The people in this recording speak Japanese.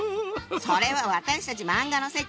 それは私たち漫画の世界！